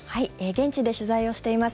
現地で取材をしています